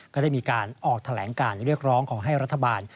ก็ได้มีการออกแถลงการเรียกร้องขอให้รัฐบาล